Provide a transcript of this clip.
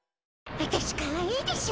あたしかわいいでしょ？